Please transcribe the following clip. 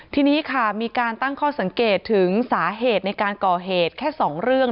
ทีนี้ค่ะมีการตั้งข้อสังเกตถึงสาเหตุในการก่อเหตุแค่๒เรื่อง